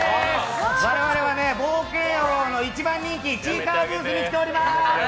我々は冒険王の一番人気「ちいかわ」ブースに来ております！